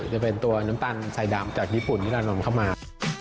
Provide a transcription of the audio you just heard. จะเป็นตัวน้ำตาลสายดำจากญี่ปุ่นที่เรานำเข้ามา